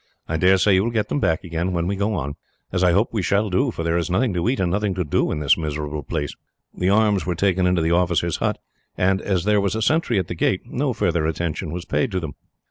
I daresay you will get them back again, when we go on; as I hope we shall do, for there is nothing to eat and nothing to do in this miserable place." The arms were taken into the officer's hut, and as there was a sentry at the gate, no further attention was paid to them.